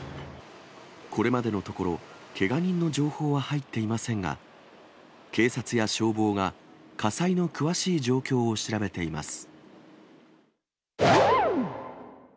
これまでのところ、けが人の情報は入っていませんが、警察や消防が、火災の詳しい状況を調べています。